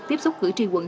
tiếp xúc cử tri quận hai